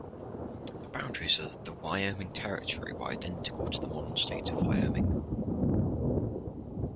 The boundaries of the Wyoming Territory were identical to the modern State of Wyoming.